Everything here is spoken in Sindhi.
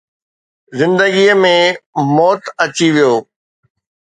زندگيءَ ۾ موت اچي ويو